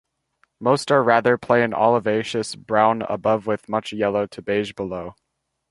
Most are rather plain olivaceous brown above with much yellow to beige below.